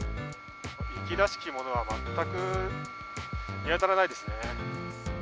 雪らしきものは全く見当たらないですね。